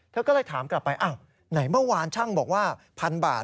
เธอก็เลยถามกลับไปอ้าวไหนเมื่อวานช่างบอกว่าพันบาท